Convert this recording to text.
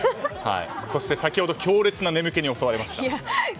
そして、先ほど強烈な眠気に襲われました。